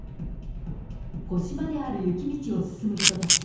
腰まである雪道を進む人たち。